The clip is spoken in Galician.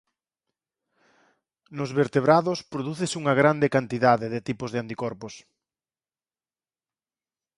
Nos vertebrados prodúcese unha grande cantidade de tipos de anticorpos.